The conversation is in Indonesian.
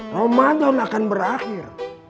ramadhan akan berakhir